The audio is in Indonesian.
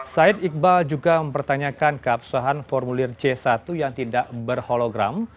said iqbal juga mempertanyakan keabsahan formulir c satu yang tidak berhologram